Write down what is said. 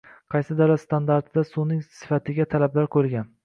Qaysi davlat standartida suvning sifatiga talablar qo‘yilgan?